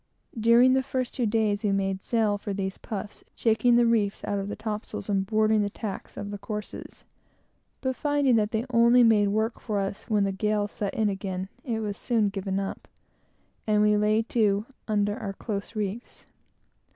During the first two days, we made sail for these puffs, shaking the reefs out of the topsails and boarding the tacks of the courses; but finding that it only made work for us when the gale set in again, it was soon given up, and we lay to under our close reefs.